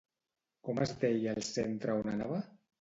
Com es deia el centre on anava?